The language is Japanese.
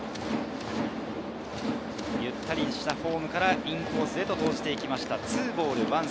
ゆったりしたフォームからインコースへ投じて行きました。